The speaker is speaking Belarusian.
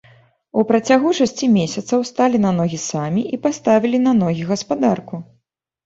У працягу шасці месяцаў сталі на ногі самі і паставілі на ногі гаспадарку.